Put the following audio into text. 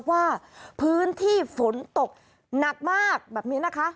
ว่าพื้นที่ฝนตกหนักมากแบบนี้นะคะ